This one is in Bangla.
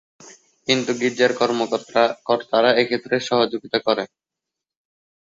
কিন্তু গির্জার কর্মকর্তারা এক্ষেত্রে সহযোগিতা করে।